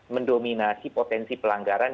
mendominasi potensi pelanggaran